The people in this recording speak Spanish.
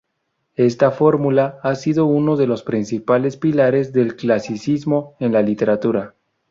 Esta fórmula ha sido uno de los principales pilares del clasicismo en la literatura.